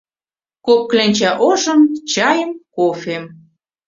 — Кок кленча ошым, чайым, кофем...